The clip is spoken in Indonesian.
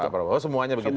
pak prabowo semuanya begitu